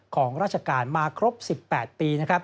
ของราชการมาครบ๑๘ปี